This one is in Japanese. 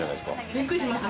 びっくりしました。